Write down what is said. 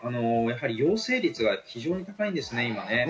陽性率が今すごく高いんですね。